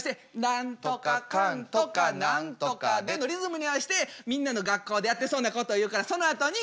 何とかかんとか何とかでのリズムに合わしてみんなの学校でやってそうなことを言うからそのあとに。